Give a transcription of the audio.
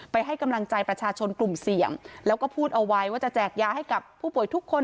ให้กำลังใจประชาชนกลุ่มเสี่ยงแล้วก็พูดเอาไว้ว่าจะแจกยาให้กับผู้ป่วยทุกคน